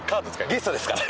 ゲストですから。